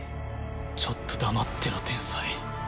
ちょっと黙ってろ天才。